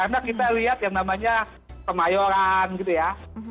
karena kita lihat yang namanya pemayoran gitu ya